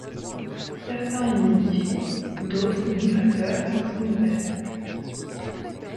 Certains y nidifient, d'autres migrateurs y sont de passage.